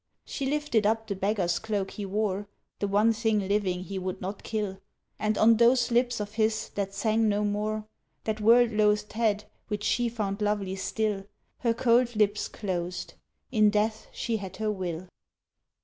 She lifted up the beggar's cloak he wore The one thing living he would not kill And on those lips of his that sang no more, That world loathed head which she found lovely still, Her cold lips closed, in death she had her will.